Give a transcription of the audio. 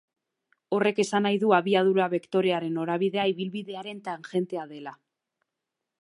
Horrek esan nahi du abiadura bektorearen norabidea ibilbidearen tangentea dela.